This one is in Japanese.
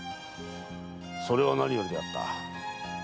それはなによりであった。